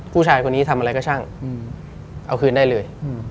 ผู้ชายคนนี้ทำอะไรก็ช่างเอาคืนได้เลย